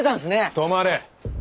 止まれ！